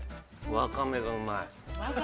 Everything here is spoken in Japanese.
◆ワカメがうまい。